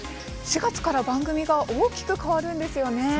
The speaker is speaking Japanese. ４月から番組が大きく変わるんですよね？